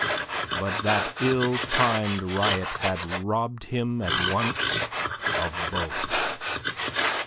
But that ill timed riot had robbed him at once of both.